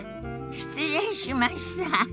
失礼しました。